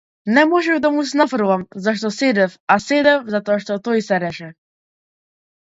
Не можев да му се нафрлам, зашто седев, а седев затоа што тој седеше.